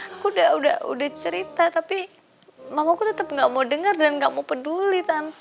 aku udah cerita tapi mamaku tetap gak mau dengar dan gak mau peduli tante